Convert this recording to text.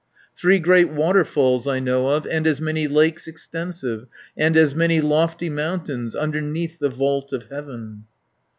"Three great waterfalls I know of, And as many lakes extensive, And as many lofty mountains, Underneath the vault of heaven.